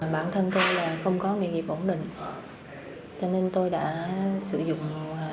bản thân tôi là không có nghề nghiệp ổn định